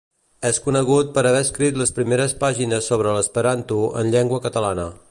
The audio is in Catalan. És conegut per haver escrit les primeres pàgines sobre l'esperanto en llengua catalana.